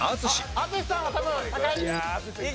淳さんは多分高い。